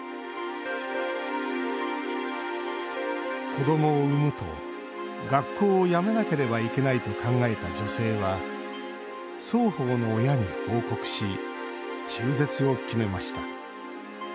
子どもを産むと学校をやめなければいけないと考えた女性は双方の親に報告し中絶を決めました。